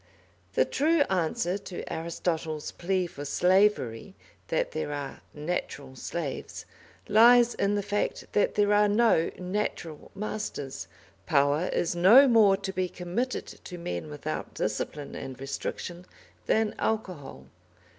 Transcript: The true answer to Aristotle's plea for slavery, that there are "natural slaves," lies in the fact that there are no "natural" masters. Power is no more to be committed to men without discipline and restriction than alcohol.